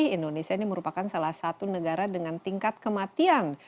indonesia ini merupakan salah satu negara dengan tingkat kematian